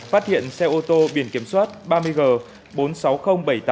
phát hiện xe ô tô biển kiểm soát ba mươi g bốn mươi sáu nghìn bảy mươi tám